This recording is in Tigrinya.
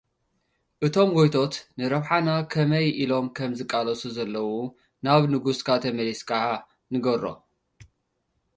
እቶም ጎይቶት ንረብሓና ከመይ ኢሎም ከም ዝቃለሱ ዘለዉ ናብ ንጉስካ ተመሊስካ ንገሮ።